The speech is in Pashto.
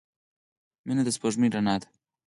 • مینه د سپوږمۍ رڼا ده.